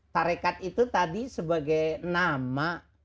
tarekat itu tadi sebagai nama